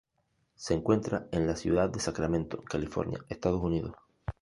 Se encuentra en la ciudad de Sacramento, California, Estados Unidos.